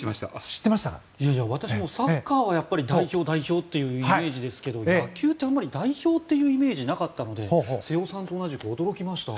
私もサッカーはやっぱり代表、代表ってイメージですが野球ってあまり代表というイメージがなかったので瀬尾さんと同じく驚きました。